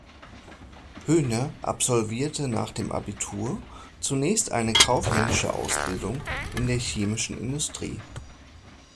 Höhne absolvierte nach dem Abitur zunächst eine kaufmännische Ausbildung in der chemischen Industrie.